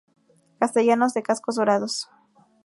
Castellanos de cascos dorados.